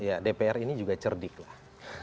ya dpr ini juga cerdik lah